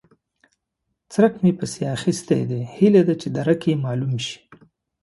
څرک مې پسې اخيستی دی؛ هيله ده چې درک يې مالوم شي.